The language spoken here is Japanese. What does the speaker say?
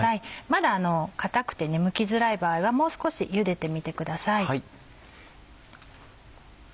まだ硬くてむきづらい場合はもう少しゆでてみてください。